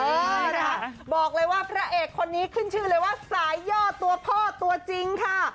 เออนะคะบอกเลยว่าพระเอกคนนี้ขึ้นชื่อเลยว่าสายย่อตัวพ่อตัวจริงค่ะ